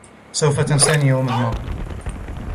سوف تنساني يوما ما.